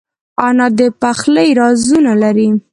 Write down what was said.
انا د پخلي رازونه لري